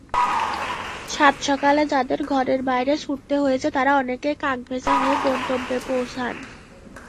সাতসকালে যাঁদের ঘরের বাইরে ছুটতে হয়েছে, তাঁরা অনেকেই কাকভেজা হয়ে গন্তব্যে পৌঁছান।